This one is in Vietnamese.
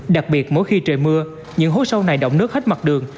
đặc biệt mỗi khi trời mưa những hố sâu này động nước hết mặt đường